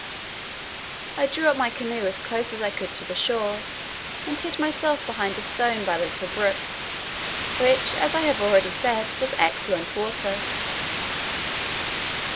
I drew up my canoe as close as I could to the shore, and hid myself behind a stone by the little brook, which, as I have already said, was excellent water.